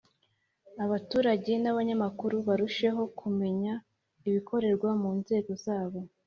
abaturage n abanyamakuru barusheho kumenya ibikorerwa mu nzego zabo